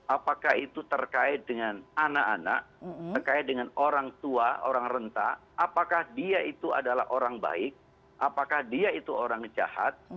apakah itu terkait dengan anak anak terkait dengan orang tua orang renta apakah dia itu adalah orang baik apakah dia itu orang jahat